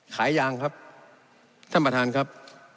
ขายยางครับท่านประธานครับ